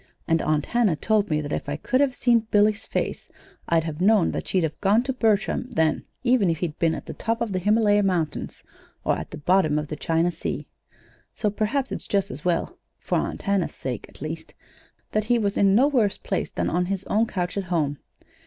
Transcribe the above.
And Aunt Hannah told me that if I could have seen Billy's face I'd have known that she'd have gone to Bertram then if he'd been at the top of the Himalaya Mountains, or at the bottom of the China Sea. So perhaps it's just as well for Aunt Hannah's sake, at least that he was in no worse place than on his own couch at home.